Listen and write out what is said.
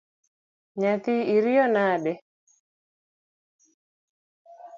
Nyathi oriyo nade?